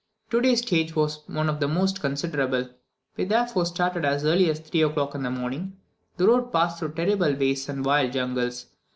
Today's stage was one of the most considerable; we therefore started as early as 3 o'clock in the morning; the road passed through terrible wastes and wild jungles.